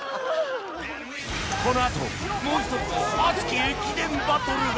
このあともう１つの熱き駅伝バトルが